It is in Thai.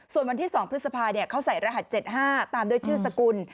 ส่วนวันที่๒พฤษภาเขาใส่รหัส๗๕ตามด้วยชื่อสกุล